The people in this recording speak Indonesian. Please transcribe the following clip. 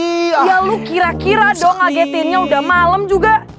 ya lo kira kira dong ngegetinnya udah malem juga